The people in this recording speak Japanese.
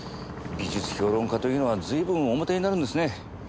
美術評論家というのは随分おモテになるんですね。